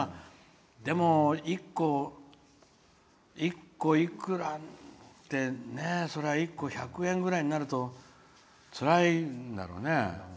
でも、１個いくらってね１個１００円くらいになるとつらいんだろうね。